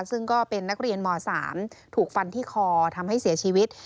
ซึ่งก็เป็นนักเรียนม๓ถูกฟันที่คอทำให้เสียชีวิต